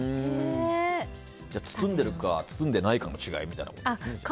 じゃあ、包んでいるか包んでいないかの違いみたいな。